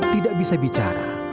tidak bisa bicara